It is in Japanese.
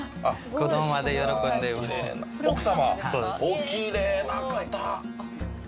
おきれいな方。